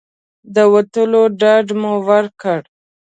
د ورتلو ډاډ مو ورکړ.